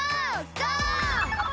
ゴー！